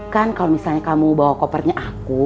kan kalau misalnya kamu bawa kopernya aku